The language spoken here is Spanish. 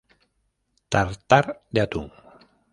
Tartar de atún.